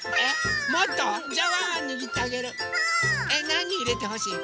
なにいれてほしい？